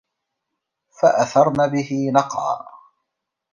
فَأَثَرنَ بِهِ نَقعًا